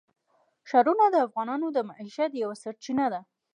ښارونه د افغانانو د معیشت یوه سرچینه ده.